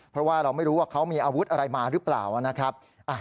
เพราะว่าเราไม่รู้ว่าเขามีอาวุธอะไรมาหรือเปล่านะครับ